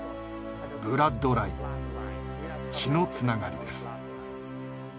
「ブラッドライン」血のつながりです。